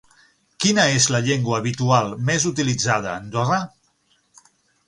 Quina és la llengua habitual més utilitzada a Andorra?